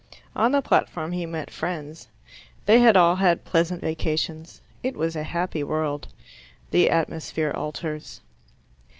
On the platform he met friends. They had all had pleasant vacations: it was a happy world. The atmosphere alters.